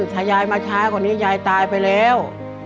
ถ้ายายมาช้ากว่านี้ยายตายไปแล้ว